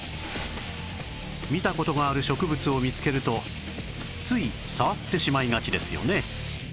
見た事がある植物を見つけるとつい触ってしまいがちですよね